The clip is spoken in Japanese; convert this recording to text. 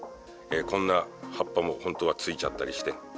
こんな葉っぱも本当はついちゃったりして。